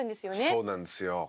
そうなんですよ。